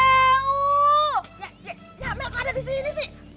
ya mel kok ada di sini sih